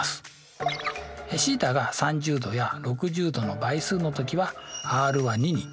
θが３０°や６０°の倍数の時はｒは２に。